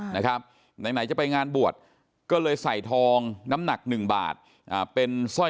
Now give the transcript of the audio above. ไหนจะไปงานบวชก็เลยใส่ทองน้ำหนักหนึ่งบาทเป็นสร้อย